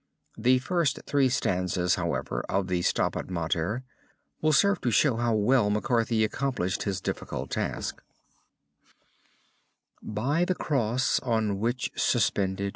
The first three stanzas, however, of the Stabat Mater will serve to show how well MacCarthy accomplished his difficult task: By the cross, on which suspended.